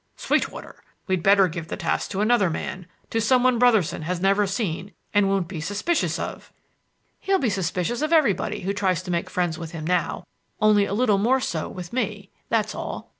"Sweetwater! We'd better give the task to another man to someone Brotherson has never seen and won't be suspicious of?" "He'll be suspicious of everybody who tries to make friends with him now; only a little more so with me; that's all.